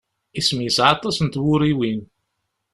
Isem yesεa aṭas n twuriwin.